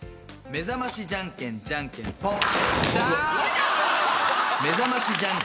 めざましじゃんけんじゃんけんぽん。